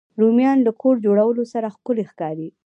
رومیان له کور جوړو سره ښکلي ښکاري